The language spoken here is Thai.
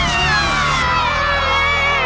พี่สิทธิ์